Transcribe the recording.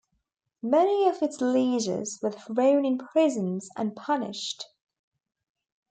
Many of its leaders were thrown in prisons and punished.